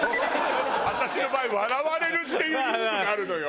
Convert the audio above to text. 私の場合笑われるっていうリスクがあるのよ。